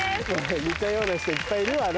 似たような人いっぱいいるわな